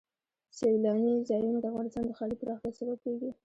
سیلانی ځایونه د افغانستان د ښاري پراختیا سبب کېږي.